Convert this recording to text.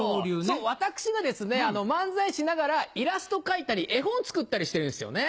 そう私がですね漫才師ながらイラスト描いたり絵本作ったりしてるんですよね。